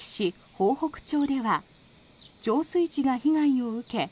豊北町では浄水池が被害を受け